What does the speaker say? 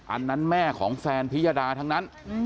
อันนั้นแม่ของแฟนพิยดาทั้งนั้น